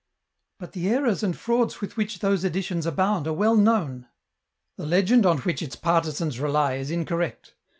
" But the errors and frauds with which those editions abound are well known." " The legend on which its partisans rely is incorrect.